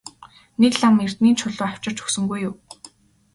Нэг лам эрдэнийн чулуу авчирч өгсөнгүй юу?